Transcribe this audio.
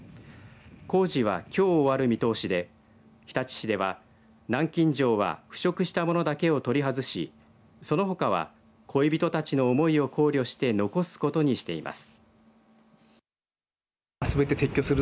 工事は、きょう終わる見通しで日立市では南京錠は腐食したものだけを取り外しそのほかは恋人たちの思いを考慮して残すことにしています。